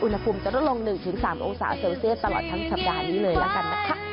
อุณหภูมิจะลดลง๑๓องศาเซลเซียสตลอดทั้งสัปดาห์นี้เลยละกันนะคะ